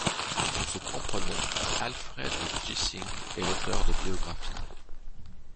Sous son propre nom, Alfred Gissing est l'auteur de biographies.